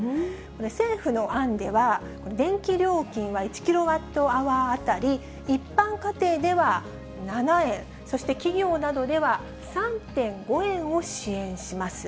政府の案では、電気料金は１キロワットアワー当たり、一般家庭では７円、そして企業などでは３．５円を支援します。